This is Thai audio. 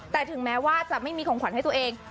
แต่ถึงแม้ว่าจะไม่มีของขวัญให้ตัวเอง